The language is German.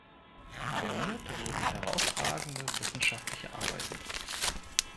Prämiert wurden herausragende wissenschaftliche Arbeiten.